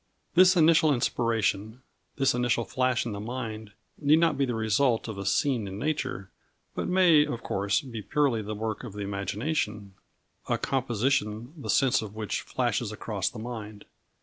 This initial inspiration, this initial flash in the mind, need not be the result of a scene in nature, but may of course be purely the work of the imagination; a composition, the sense of which flashes across the mind.